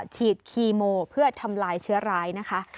คีโมเพื่อทำลายเชื้อร้ายนะคะ